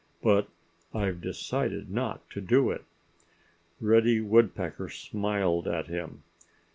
But I've decided not to do it." Reddy Woodpecker smiled at him.